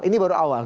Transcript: ini baru awal